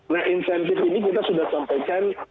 nah insentif ini kita sudah sampaikan